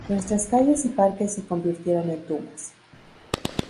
Nuestras calles y parques se convirtieron en tumbas.